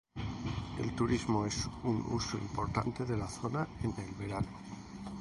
El turismo es un uso importante de la zona en el verano.